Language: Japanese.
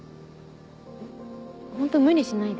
ホント無理しないで。